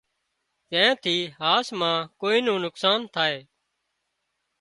زين ٿي هاس مان ڪوئي نُون نقصان ٿائي